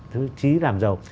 thứ trí làm giàu